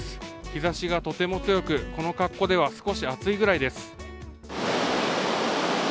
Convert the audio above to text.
日ざしがとても強く、この格好では少し暑いくらいです。